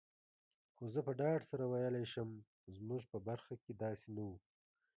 خو زه په ډاډ سره ویلای شم، زموږ په برخه کي داسي نه وو.